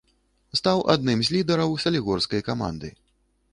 Стаў адным з лідараў салігорскай каманды.